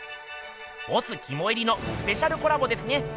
ボスきもいりのスペシャルコラボですね。